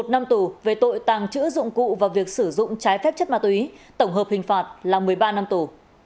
một năm tù về tội tàng trữ dụng cụ và việc sử dụng trái phép chất ma túy tổng hợp hình phạt là một mươi ba năm tù